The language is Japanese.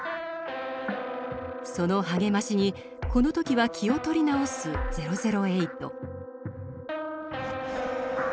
その励ましにこの時は気を取り直す００８。